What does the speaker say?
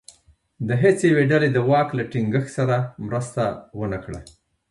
د هېڅ یوې ډلې دواک له ټینګښت سره مرسته ونه کړه.